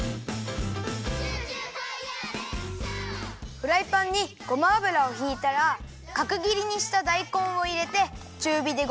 フライパンにごま油をひいたらかくぎりにしただいこんをいれてちゅうびで５分くらいいためます。